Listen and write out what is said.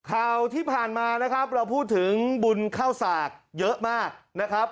ข่าวที่ผ่านมานะครับเราพูดถึงบุญเข้าสากเยอะมากนะครับ